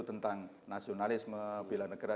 tentang nasionalisme bela negara